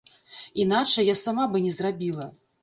Іначай я сама бы не зрабіла.